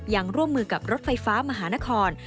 ยังร่วมมือกับรถไฟฟ้ามหานคร